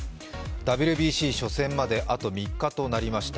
ＷＢＣ初戦まであと３日となりました。